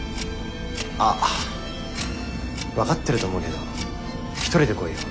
あっ分かってると思うけど一人で来いよ。